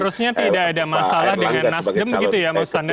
berarti seharusnya tidak ada masalah dengan nasdem begitu ya mas tanda